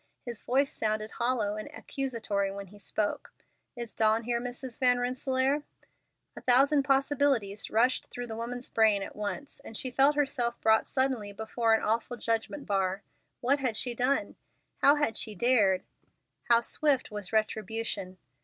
His voice sounded hollow and accusatory when he spoke: "Is Dawn here, Mrs. Van Rensselaer?" A thousand possibilities rushed through the woman's brain at once, and she felt herself brought suddenly before an awful judgment bar. What had she done? How had she dared? How swift was retribution!